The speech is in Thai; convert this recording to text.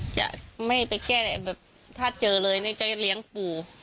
จะไม่ไปแก้แบบถ้าเจอเลยนี่จะเลี้ยงปู่